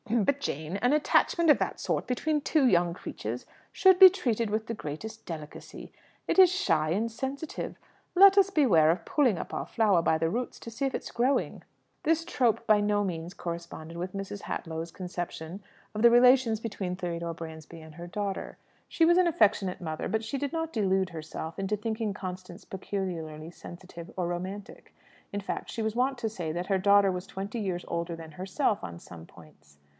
"H'm, h'm, h'm! But, Jane, an attachment of that sort between two young creatures should be treated with the greatest delicacy. It is shy and sensitive. Let us beware of pulling up our flower by the roots to see if it is growing." This trope by no means corresponded with Mrs. Hadlow's conception of the relations between Theodore Bransby and her daughter. She was an affectionate mother, but she did not delude herself into thinking Constance peculiarly sensitive or romantic. In fact, she was wont to say that her daughter was twenty years older than herself on some points.